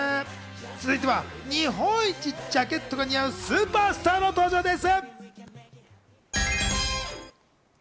続いては日本一ジャケットが似合うスーパースターの登場です。